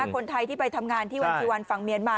คนไทยที่ไปทำงานที่วันจีวันฝั่งเมียนมา